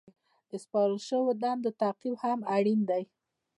د سپارل شوو دندو تعقیب هم اړین دی.